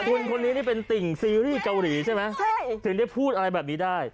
คุณคนนี้นี่เป็นติ่งซีรีส์เกาหลีใช่ไหมถึงได้พูดอะไรแบบนี้ได้